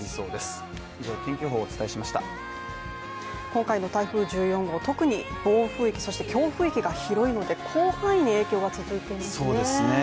今回の台風１４号、特に暴風域、そして強風域が広いので広範囲に影響が続いていますね。